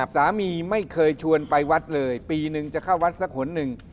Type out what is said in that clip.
สามีไม่เคยชวนไปวัดเลยปีหนึ่งจะเข้าวัดสักหนหนึ่ง